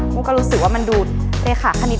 มันก็รู้สึกว่ามันดูเลขาคณิต